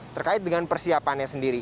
terkait dengan persiapannya sendiri